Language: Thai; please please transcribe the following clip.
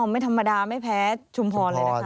ไม่ธรรมดาไม่แพ้ชุมพรเลยนะคะ